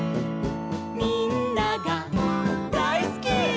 「みんながだいすき！」